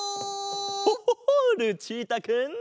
ホホホルチータくん！